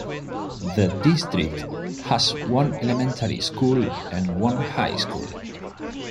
The district has one elementary school and one high school.